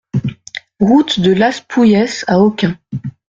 Route de Las Poueyes à Aucun